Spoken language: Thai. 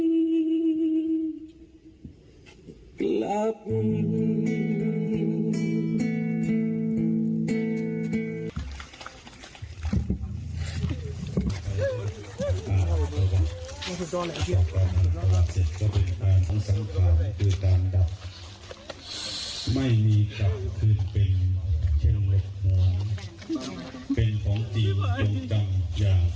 ไม่มีคือเป็นเลยครับส่วนฮูฮฮ